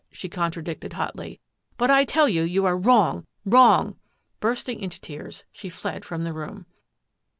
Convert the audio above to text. " she con tradicted hotly. " But I tell you you are wrong, wrong !" Bursting into tears, she fled from the room.